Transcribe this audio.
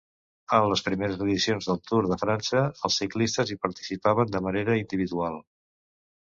En les primeres edicions del Tour de França els ciclistes hi participaven de manera individual.